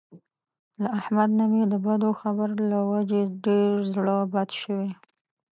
له احمد نه مې د بدو خبر له وجې ډېر زړه بد شوی.